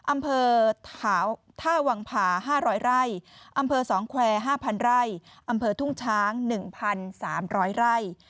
อำเภอท่าวังผ่า๕๐๐ไร่อำเภอ๒แควร์๕๐๐ไร่อำเภอทุ่งช้าง๑๓๐๐ไร่